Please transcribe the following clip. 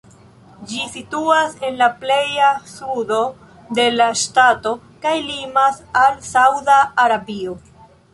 Ĝi situas en la pleja sudo de la ŝtato kaj limas al Sauda Arabio.